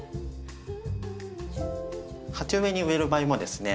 鉢植えに植える場合もですね